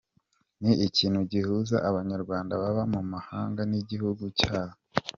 Ni ikintu gihuza Abanyarwanda baba mu mahanga n’igihugu cyabo.